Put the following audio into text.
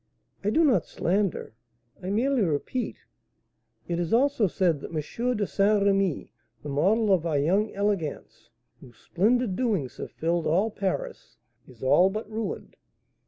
"I do not slander, I merely repeat. It is also said that M. de St. Remy, the model of our young élégantes, whose splendid doings have filled all Paris, is all but ruined!